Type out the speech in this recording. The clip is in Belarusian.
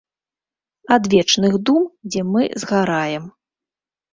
Адвечных дум, дзе мы згараем.